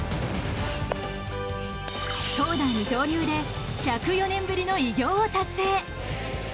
投打二刀流で１０４年ぶりの偉業を達成。